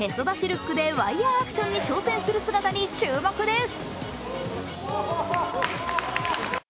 ルックでワイヤーアクションに挑戦する姿に注目です。